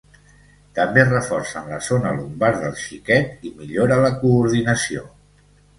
També reforcen la zona lumbar del xiquet i millora la coordinació.